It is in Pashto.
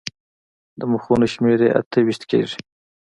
د مخونو شمېره یې اته ویشت کېږي.